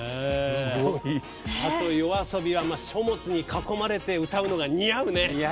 あと、ＹＯＡＳＯＢＩは書物に囲まれて歌うのが似合うね。